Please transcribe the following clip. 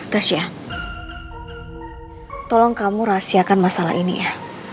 dasha tolong kamu rahasiakan masalah ini ya